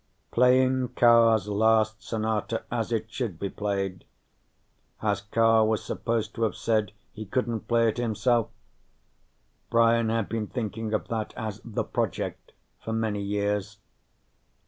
Playing Carr's last sonata as it should be played as Carr was supposed to have said he couldn't play it himself Brian had been thinking of that as The Project for many years.